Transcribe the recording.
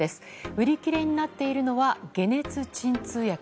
売り切れになっているのは解熱鎮痛薬。